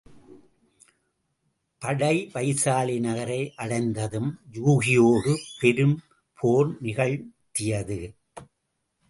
படை வைசாலி நகரை யடைந்ததும் யூகியோடு பெரும் போர் நிகழ்த்தியது.